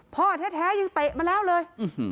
พ่อแท้ยังเตะมาแล้วเลย